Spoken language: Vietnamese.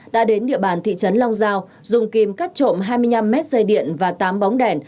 đã đến địa bàn thị trấn long giao dùng kim cắt trộm hai mươi năm mét dây điện và tám bóng đèn